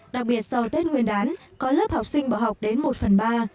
đặc biệt sau tết nguyên đán có lớp học sinh bỏ học đến một phần ba